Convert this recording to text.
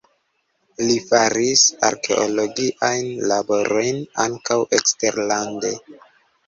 Li faris arkeologiajn laborojn ankaŭ eksterlande.